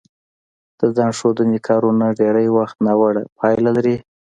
د ځان ښودنې کارونه ډېری وخت ناوړه پایله لري